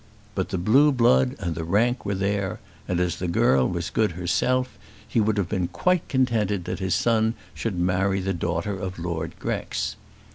But the blue blood and the rank were there; and as the girl was good herself, he would have been quite contented that his son should marry the daughter of Lord Grex.